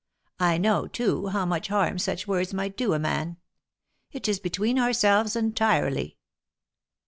I know, too, how much harm such words might do a man. It is between ourselves entirely."